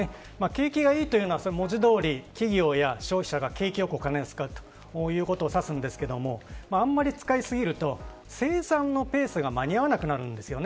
景気がいいというのは文字通り企業や消費者が景気よくお金を使うということを指すんですがあまり使いすぎると生産のペースが間に合わなくなるんです。